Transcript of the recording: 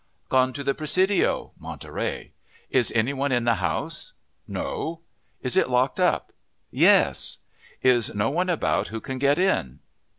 "Gone to the Presidio" (Monterey). "Is anybody in the house?" "No." "Is it locked up?" "Yes." "Is no one about who can get in?"